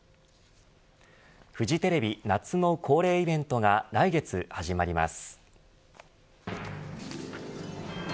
フジテレビ夏の恒例イベントが来月始まります。